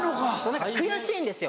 何か悔しいんですよ。